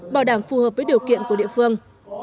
bảo đảm phù hợp với điều kiện của địa phương